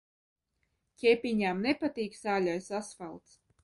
Ķepiņām nepatīk sāļais asfalts.